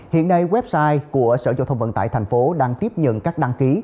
hiện nay website của sở giao thông vận tải tp hcm đang tiếp nhận các đăng ký